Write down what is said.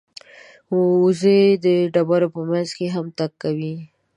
وزې د ډبرو په منځ کې هم تګ کوي